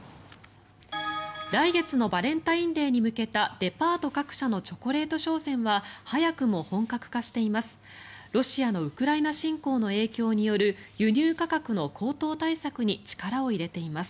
来月のバレンタインデーに向けたデパート各社のチョコレート商戦は早くも本格化しています。